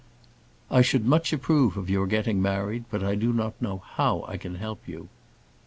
"I should much approve of your getting married, but I do not know how I can help you."